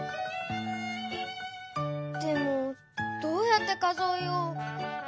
でもどうやって数えよう？